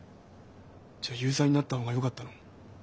じゃあ有罪になった方がよかったの？